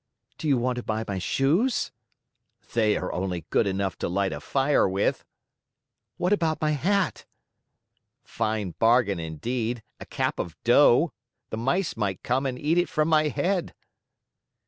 "Do you want to buy my shoes?" "They are only good enough to light a fire with." "What about my hat?" "Fine bargain, indeed! A cap of dough! The mice might come and eat it from my head!"